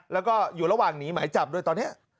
แล้วก็อยู่ระหว่างหนีหมายจับด้วยตอนนี้